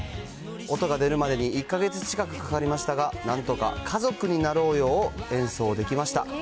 音が出るまでに１か月近くかかりましたが、なんとか家族になろうよを演奏できました。